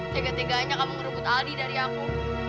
tega tegaannya kamu ngerebut aldi dari aku